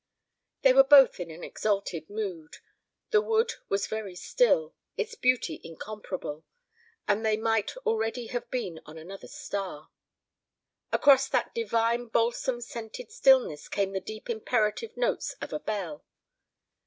They were both in an exalted mood. The wood was very still, its beauty incomparable. And they might already have been on another star. Across that divine balsam scented stillness came the deep imperative notes of a bell.